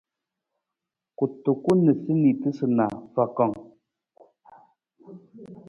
Kutukun niisutu na fakang.